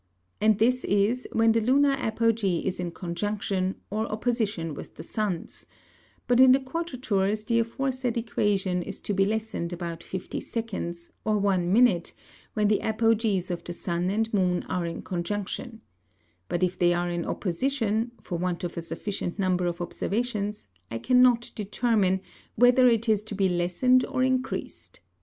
And this is, when the Lunar Apogee is in Conjunction, or Opposition with the Sun's: But in the Quadratures, the aforesaid Equation is to be lessen'd about 50 seconds, or 1 minute, when the Apogees of the Sun and Moon are in Conjunction; but if they are in Opposition, for want of a sufficient number of Observations, I cannot determine, whether it is to be lessen'd or increas'd.